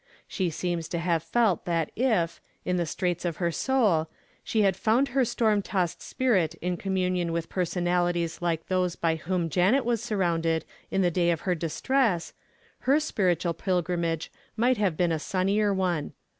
She seems to have felt that if, in the straits of her soul, she had found her storm tossed spirit in communion with personalities like those by whom Janet was surrounded in the day of her distress, her spiritual pilgrimage might have been a sunnier one.